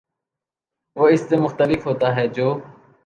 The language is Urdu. وہ اس سے مختلف ہوتا ہے جو